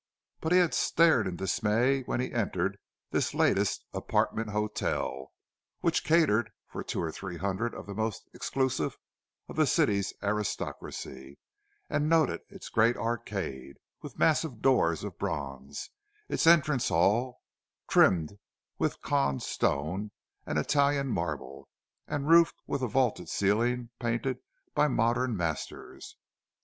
But he had stared in dismay when he entered this latest "apartment hotel"—which catered for two or three hundred of the most exclusive of the city's aristocracy—and noted its great arcade, with massive doors of bronze, and its entrance hall, trimmed with Caen stone and Italian marble, and roofed with a vaulted ceiling painted by modern masters.